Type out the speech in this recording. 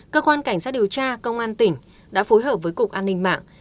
cơ quan cảnh sát điều tra công an tỉnh đã phối hợp với cục an ninh mạng